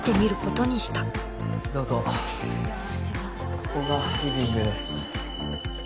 ここがリビングです。